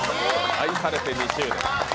愛されて２周年。